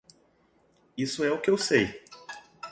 Isso é o que eu sei.